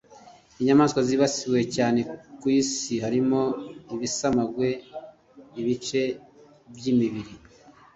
Inyamaswa zibasiwe cyane ku Isi harimo ibisamagwe (bice by’imibiri)